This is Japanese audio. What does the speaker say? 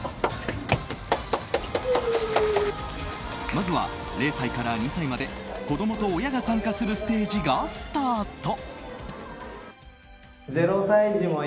まずは０歳から２歳まで子供と親が参加するステージがスタート。